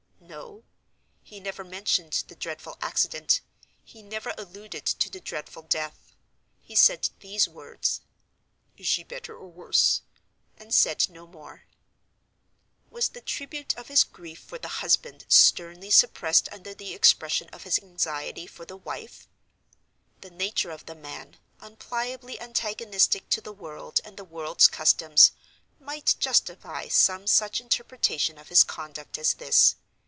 No: he never mentioned the dreadful accident, he never alluded to the dreadful death. He said these words, "Is she better, or worse?" and said no more. Was the tribute of his grief for the husband sternly suppressed under the expression of his anxiety for the wife? The nature of the man, unpliably antagonistic to the world and the world's customs, might justify some such interpretation of his conduct as this.